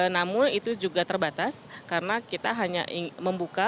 namun itu juga terbatas karena kita hanya membuka